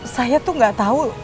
saya tuh gak tau